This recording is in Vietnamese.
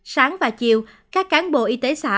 sáng và chiều các cán bộ y tế xã